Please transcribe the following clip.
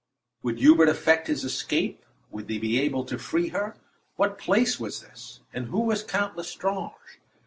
Would Hubert effect his escape? Would they be able to free her? What place was this, and who was Count L'Estrange?